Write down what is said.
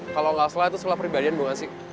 kalau nggak salah itu sekolah pribadian bukan sih